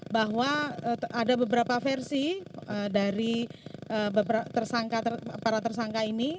bahwa ada beberapa versi dari para tersangka ini